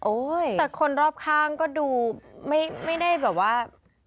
แต่คนรอบข้างก็ดูไม่ได้แบบว่า